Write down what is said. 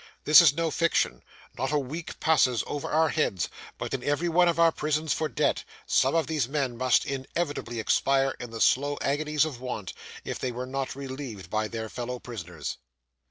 This is no fiction. Not a week passes over our head, but, in every one of our prisons for debt, some of these men must inevitably expire in the slow agonies of want, if they were not relieved by their fellow prisoners.